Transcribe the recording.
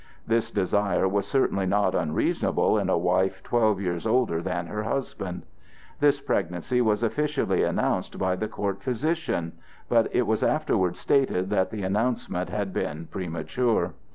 This desire was certainly not unreasonable in a wife twelve years older than her husband. This pregnancy was officially announced by the court physician, but it was afterwards stated that the announcement had been premature.